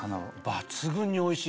抜群においしいですよ。